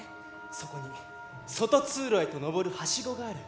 そこに外通路へと上る梯子がある。